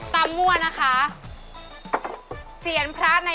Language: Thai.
ตามัวนะคะ